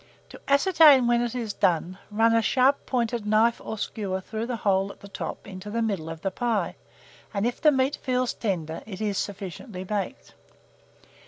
To ascertain when it is done, run a sharp pointed knife or skewer through the hole at the top into the middle of the pie, and if the meat feels tender, it is sufficiently baked.